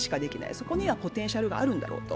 そこにはポテンシャルがあるんだろうと。